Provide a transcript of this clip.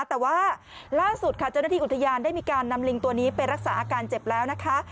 แต่ว่าล่าสุดค่ะเจ้าหน้าที่อุทยานได้มีการนำลิงตัวนี้ไปรักษาอาการเจ็บแล้วนะคะ